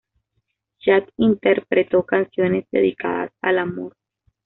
Chad interpretó canciones dedicadas al amor.